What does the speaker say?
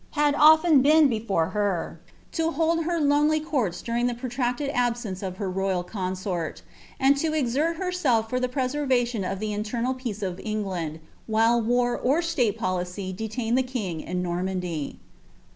had often been before her, to hold her lonely courts during iha pro tracted abaence of her royal consort, and to exert herself fur the p» wrvaiioa of the internal peace of England, while war or ■tale polii^ detained the king in Normandy.